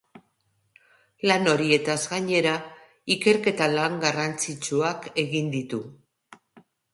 Lan horietaz gainera, ikerketa-lan garrantzitsuak egin ditu.